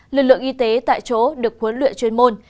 lực lượng y tế tại chỗ được huấn luyện chuyên môn